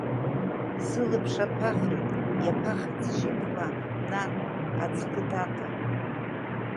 Сылаԥш аԥахит, иаԥахит сшьапқәа, нан, аҵкы таата!